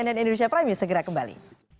si anian indonesia prime segera kembali